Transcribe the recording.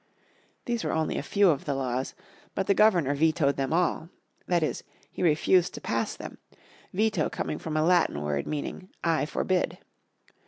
These were only a few of the laws. But the Governor vetoed them all. That is, he refused to pass them, veto coming from a Latin word meaning "I forbid."